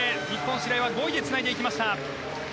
白井は５位でつないでいきました。